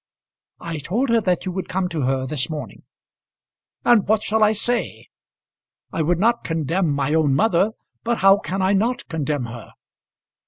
"I told her that you would come to her this morning." "And what shall I say? I would not condemn my own mother; but how can I not condemn her?"